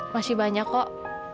masih banyak kok